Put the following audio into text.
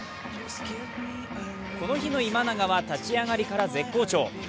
この日の今永は立ち上がりから絶好調。